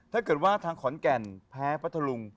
ถ้าเกิดว่าทางขอนแก่นแพ้พัทธลุง